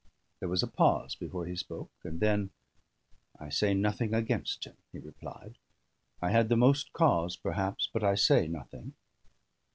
There was a pause before he spoke, and then: "I say nothing against him," he replied. "I had the most cause perhaps; but I say nothing."